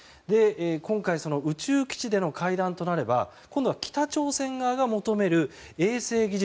今回、宇宙基地での会談となれば今度は北朝鮮側が求める衛星技術